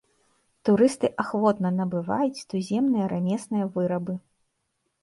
Турысты ахвотна набываюць туземныя рамесныя вырабы.